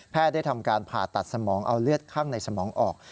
ได้ทำการผ่าตัดสมองเอาเลือดข้างในสมองออก